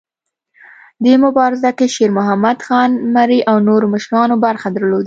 دې مبارزه کې شیرمحمد خان مري او نورو مشرانو برخه درلوده.